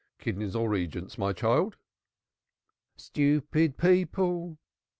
Kidneys or regents, my child?" "Stupid people!